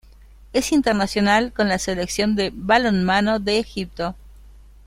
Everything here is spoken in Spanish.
Es internacional con la selección de balonmano de Egipto.